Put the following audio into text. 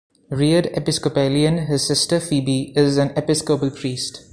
Reared Episcopalian, his sister Phoebe is an Episcopal priest.